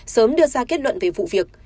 sớm đưa ra kết luận về vụ việc